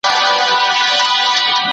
همداسي به ستا رب تا انتخاب کړي.